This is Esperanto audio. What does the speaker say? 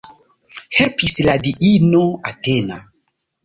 Helpis la diino Atena.